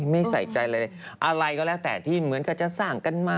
ไม่ใส่ใจอะไรเลยอะไรก็แล้วแต่ที่เหมือนกับจะสร้างกันมา